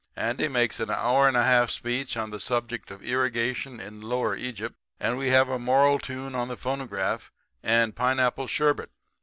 Andy makes an hour and a half speech on the subject of irrigation in Lower Egypt, and we have a moral tune on the phonograph and pineapple sherbet.